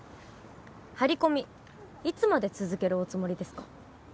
張り込みいつまで続けるおつもりですか？